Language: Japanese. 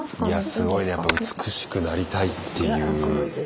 すごいねやっぱ美しくなりたいっていう気持ちは。